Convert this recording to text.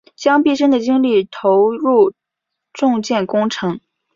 将毕生的精力投入重建工程